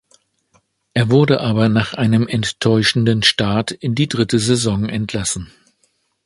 Er wurde aber nach einem enttäuschenden Start in die dritte Saison entlassen.